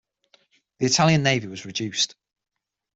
The Italian navy was reduced.